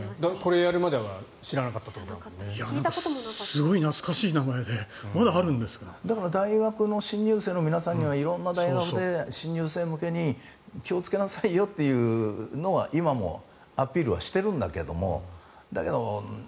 すごく懐かしい名前で大学の新入生の皆さんには色んな大学で新入生向けに気をつけなさいよというのは今もアピールはしているんだけどだけど。